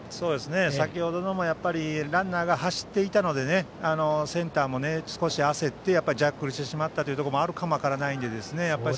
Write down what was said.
先程のもランナーが走っていたのでセンターも少し焦ってジャッグルしてしまったということがあるかも分からないので。